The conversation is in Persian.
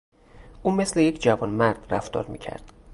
او مثل یک جوانمرد رفتار میکرد.